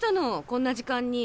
こんな時間に。